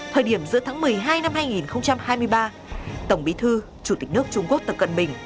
thời điểm giữa tháng một mươi hai năm hai nghìn hai mươi ba tổng bí thư chủ tịch nước trung quốc tập cận bình